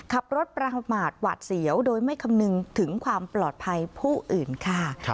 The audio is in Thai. ขับรถประมาทหวาดเสียวโดยไม่คำนึงถึงความปลอดภัยผู้อื่นค่ะ